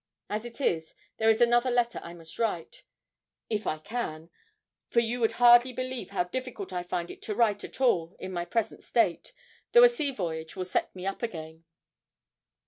As it is there is another letter I must write if I can, for you would hardly believe how difficult I find it to write at all in my present state, though a sea voyage will set me up again.'